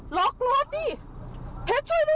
ล็อกรถยังล็อกแล้ว